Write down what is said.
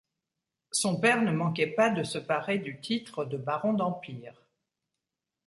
Son père ne manquait pas de se parer du titre de baron d'Empire.